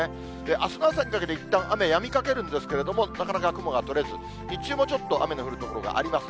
あすの朝にかけていったん雨やみかけるんですけれども、なかなか雲が取れず、日中もちょっと雨の降る所があります。